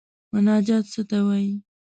مناجات څه ته وايي.